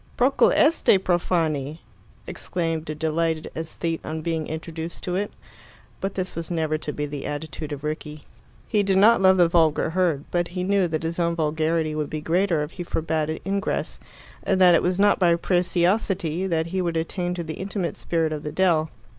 "Procul este, profani!" exclaimed a delighted aesthete on being introduced to it. But this was never to be the attitude of Rickie. He did not love the vulgar herd, but he knew that his own vulgarity would be greater if he forbade it ingress, and that it was not by preciosity that he would attain to the intimate spirit of the dell.